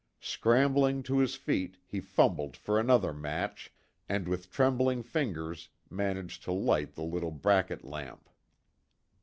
Scrambling to his feet, he fumbled for another match, and with trembling fingers, managed to light the little bracket lamp.